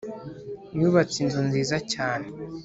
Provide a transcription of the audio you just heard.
Yubatse inzu nziza cyane